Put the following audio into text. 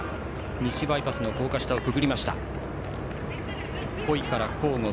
西バイパスの高架下をくぐりました。